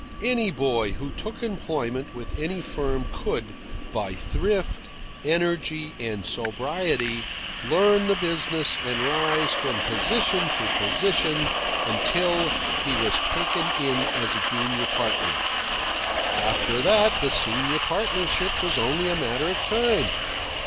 Any boy who took employment with any firm could, by thrift, energy, and sobriety, learn the business and rise from position to position until he was taken in as a junior partner. After that the senior partnership was only a matter of time.